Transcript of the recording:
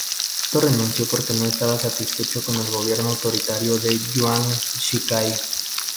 Pronto renunció porque no estaba satisfecho con el gobierno autoritario de Yuan Shikai.